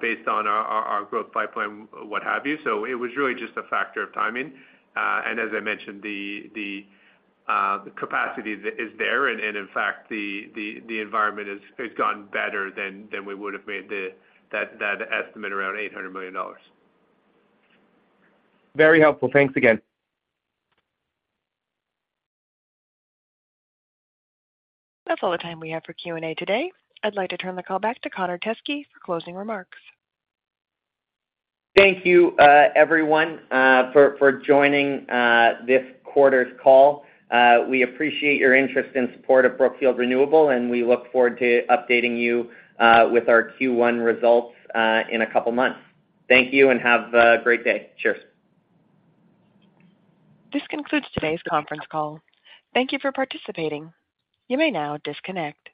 based on our growth pipeline, what have you. So it was really just a factor of timing. And as I mentioned, the capacity is there, and in fact, the environment has gotten better than we would've made that estimate around $800 million. Very helpful. Thanks again. That's all the time we have for Q and A today. I'd like to turn the call back to Connor Teskey for closing remarks. Thank you, everyone, for joining this quarter's call. We appreciate your interest and support of Brookfield Renewable, and we look forward to updating you with our Q1 results in a couple of months. Thank you, and have a great day. Cheers! This concludes today's conference call. Thank you for participating. You may now disconnect.